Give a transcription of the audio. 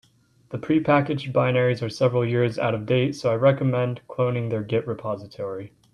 The prepackaged binaries are several years out of date, so I recommend cloning their git repository.